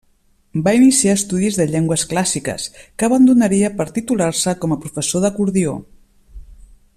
Va iniciar estudis de llengües clàssiques, que abandonaria per titular-se com a professor d'acordió.